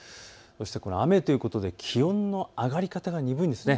そして雨ということで気温の上がり方が鈍いんです。